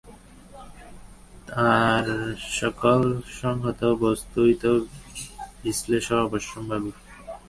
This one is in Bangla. আর সকল সংহত বস্তুরই তো বিশ্লেষ অবশ্যম্ভাবী।